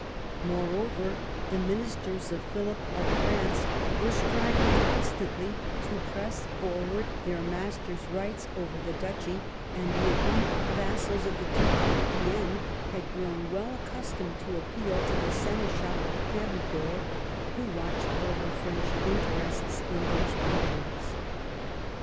Moreover, the ministers of Philip of France were striving constantly to press forward their V EDWARD'S CONTINENTAL POLICY 89 master's rights over the duchy, and the aggrieved vassals of the Duke of Guienne had grown well accustomed to appeal to the seneschal of Perigord, who watched over French interests in those regions.